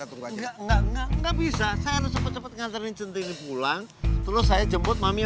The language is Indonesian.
enggak enggak enggak bisa saya cepet cepet ngasarin centing pulang terus saya jemput mami